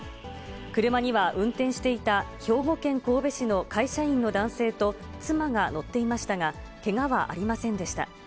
車には運転していた兵庫県神戸市の会社員の男性と妻が乗っていましたが、けがはありませんでした。